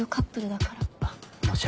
だから。